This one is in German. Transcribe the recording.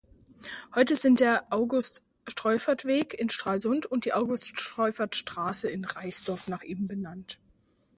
Heute sind der August-Streufert-Weg in Stralsund und die August-Streufert-Straße in Raisdorf nach ihm benannt.